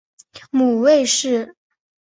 母魏氏。